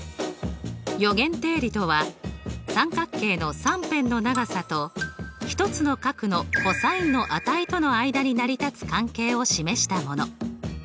余弦定理とは三角形の３辺の長さと１つの角のｃｏｓの値との間に成り立つ関係を示したもの。